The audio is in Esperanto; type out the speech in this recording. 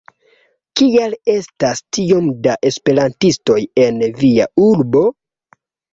Kial estas tiom da Esperantistoj en via urbo?